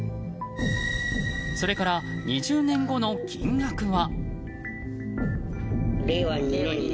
それから２０年後の金額は。